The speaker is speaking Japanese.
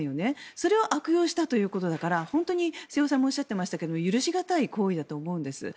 それを悪用したということだから本当に瀬尾さんもおっしゃっていましたが許し難い行為だと思うんです。